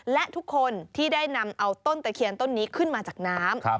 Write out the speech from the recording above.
และทุกคนที่ได้นำเอาต้นตะเคียนต้นนี้ขึ้นมาจากน้ำ